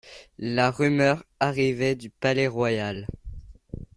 La rumeur arrivait du Palais-Royal.